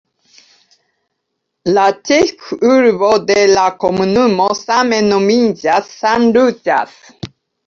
La ĉefurbo de la komunumo same nomiĝas "San Lucas".